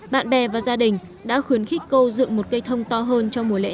bạn bè và gia đình đã khuyến khích cô dựng một cây thông to hơn